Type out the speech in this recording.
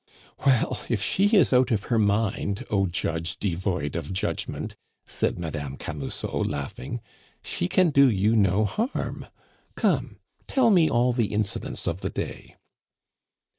"Well, if she is out of her mind, O judge devoid of judgment," said Madame Camusot, laughing, "she can do you no harm. Come, tell me all the incidents of the day."